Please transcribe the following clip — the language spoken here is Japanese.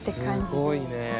すごいね。